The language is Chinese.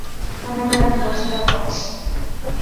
那边卖的苹果真的好吃